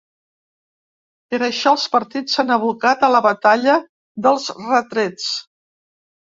Per això els partits s’han abocat a la batalla dels retrets.